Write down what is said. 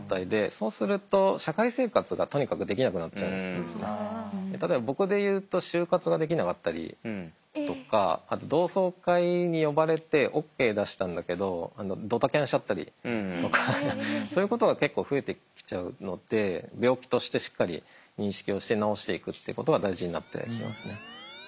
そうすると例えば僕で言うと就活ができなかったりとかあと同窓会に呼ばれてＯＫ出したんだけどドタキャンしちゃったりとかそういうことが結構増えてきちゃうので病気としてしっかり認識をして治していくっていうことが大事になってきますね。